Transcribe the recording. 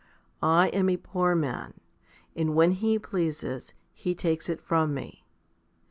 I am a poor man, and when He pleases, He takes it from me."